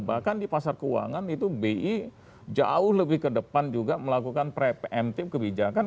bahkan di pasar keuangan itu bi jauh lebih ke depan juga melakukan preventif kebijakan